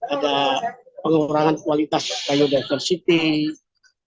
ada pengurangan kualitas biodiversitas